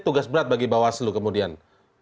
tugas berat bagi bawaslu kemudian